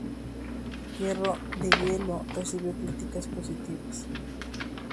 Hierro de hielo recibió críticas positivas.